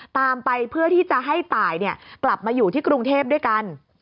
ตามไปเพื่อที่จะให้ตายกลับมาอยู่ที่กรุงเทพด้วยกัน